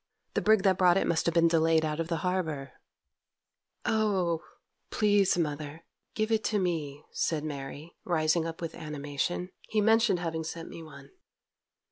The brig that brought it must have been delayed out of the harbour.' 'Oh, please mother, give it to me!' said Mary, rising up with animation; 'he mentioned having sent me one.